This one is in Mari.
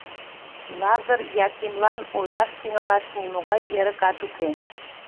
Лазыр Якимлан ойлаш тӱҥалаш нимогай эрыкат уке.